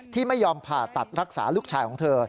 ที่ไม่ยอมผ่าตัดรักษาลูกชายของเธอ